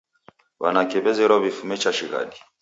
W'anake w'azerwa w'ifume cha shighadi